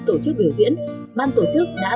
tổ chức biểu diễn ban tổ chức đã